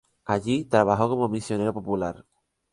Allí trabajó como misionero popular.